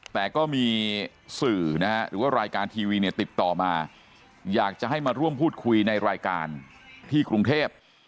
แต่ก็มีสื่อนะฮะหรือว่ารายการทีวีเนี่ยติดต่อมาอยากจะให้มาร่วมพูดคุยในรายการที่กรุงเทพ